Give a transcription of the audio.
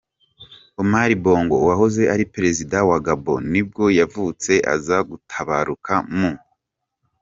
Omar Bongo, wahoze ari perezida wa Gabon nibwo yavutse, aza gutabaruka mu .